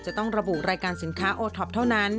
จะต้องระบุรายการสินค้าโอท็อปเท่านั้น